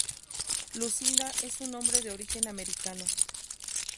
Lucinda es un nombre de origen Americano.